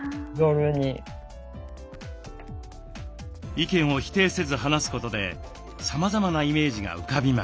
意見を否定せず話すことでさまざまなイメージが浮かびました。